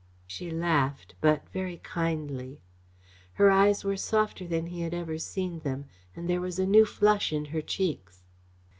She laughed, but very kindly. Her eyes were softer than he had ever seen them, and there was a new flush in her cheeks.